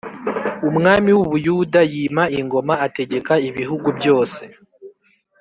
umwami w’ u Buyuda yima ingoma ategeka ibihugu byose